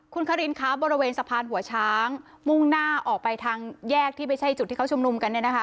คุณคลินครับบริเวณสะพานหัวช้างมุ่งหน้าออกไปทางแยกที่ไม่ใช่จุดที่เขาชมนุมกัน